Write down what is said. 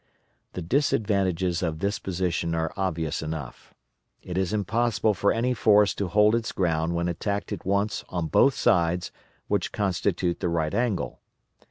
The disadvantages of this position are obvious enough. It is impossible for any force to hold its ground when attacked at once on both sides which constitute the right angle.